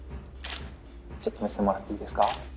ちょっと目線もらっていいですか？